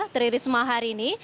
teriri semua hari ini